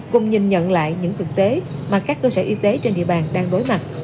cùng nhìn nhận lại những thực tế mà các cơ sở y tế trên địa bàn đang đối mặt